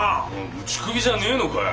打ち首じゃねえのかい。